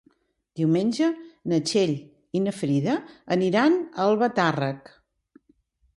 Diumenge na Txell i na Frida iran a Albatàrrec.